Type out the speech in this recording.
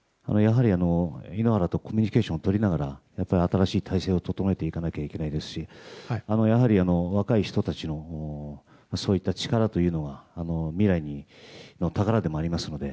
井ノ原とコミュニケーション取りながら新しい体制を整えていかなければならないですしやはり、若い人たちのそういった力というのは未来の宝でもありますので。